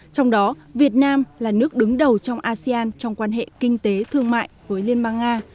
trong đó việt nam là nước đứng đầu trong asean trong quan hệ kinh tế thương mại với liên bang nga